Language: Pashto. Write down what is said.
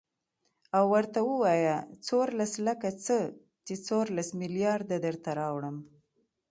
او ورته ووايه څورلس لکه څه ،چې څورلس ملېارده درته راوړم.